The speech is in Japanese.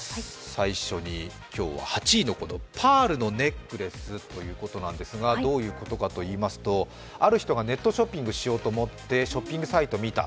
最初に今日は８位のパールのネックレスということなんですが、どういうことかといいますと、ある人がネットショッピングしようと思って、ショッピングサイトを見た。